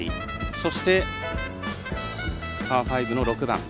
そして、パー５の６番。